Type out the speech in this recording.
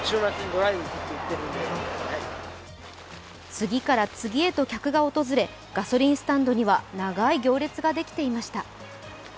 次から次へと客が訪れ、ガソリンスタンドには長い行列ができていました。